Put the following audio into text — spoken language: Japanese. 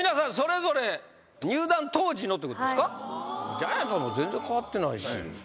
ジャイアンツは全然変わってないし。